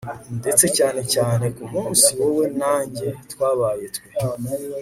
ndetse cyane cyane kumunsi wowe na njye twabaye twe